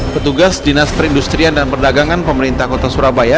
petugas dinas perindustrian dan perdagangan pemerintah kota surabaya